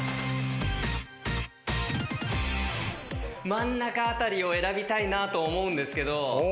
真ん中辺りを選びたいなと思うんですけど。